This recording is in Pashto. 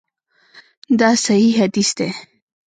دا صحیح حدیث دی.